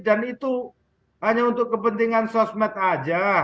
dan itu hanya untuk kepentingan sosmed aja